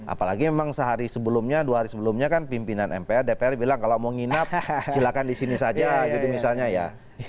apalagi memang sehari sebelumnya dua hari sebelumnya kan pimpinan mpr dpr bilang kalau mau nginap silakan di sini saja gitu misalnya ya